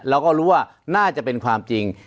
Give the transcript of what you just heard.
แล้วก็รู้ว่าน่าจะเป็นความจริง